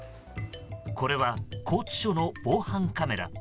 これは拘置所の防犯カメラ。